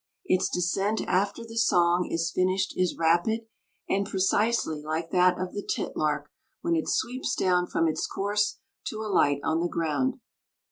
Its descent after the song is finished is rapid, and precisely like that of the titlark when it sweeps down from its course to alight on the ground.